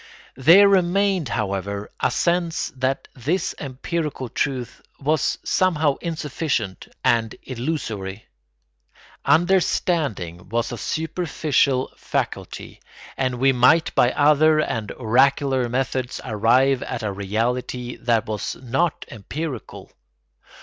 There remained, however, a sense that this empirical truth was somehow insufficient and illusory. Understanding was a superficial faculty, and we might by other and oracular methods arrive at a reality that was not empirical.